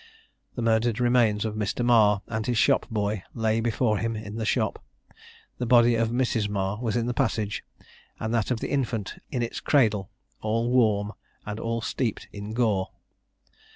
The murdered remains of Mr. Marr and his shop boy lay before him in the shop; the body of Mrs. Marr was in the passage, and that of the infant in its cradle, all warm and all steeped in gore.